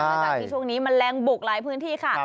หลังจากที่ช่วงนี้แมลงบุกหลายพื้นที่ค่ะ